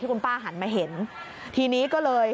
ด้วยความเคารพนะคุณผู้ชมในโลกโซเชียล